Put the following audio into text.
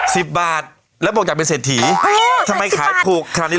สิบบาทแล้วบอกอยากเป็นเศรษฐีเออทำไมขายถูกคราวนี้